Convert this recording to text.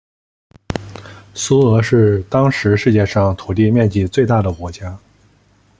苏俄是当时世界上土地面积最大的国家。